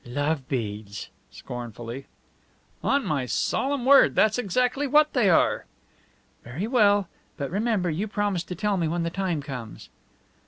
"Love beads!" scornfully. "On my solemn word, that's exactly what they are." "Very well. But remember, you promise to tell me when the time comes."